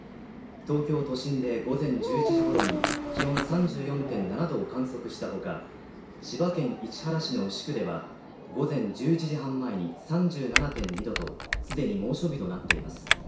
東京都心で午前１１時ごろに気温３４．７度を観測したほか千葉県市原市の牛久では午前１１時半前に３７．２度とすでに猛暑日となっています